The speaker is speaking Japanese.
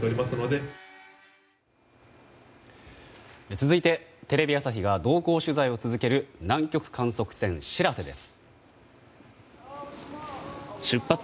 続いてテレビ朝日が同行取材を続ける南極観測船「しらせ」です。